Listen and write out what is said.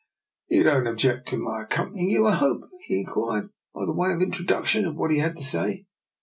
" You do not object to my accompanying you, I hope?" he inquired, by way of intro duction to what he had to say.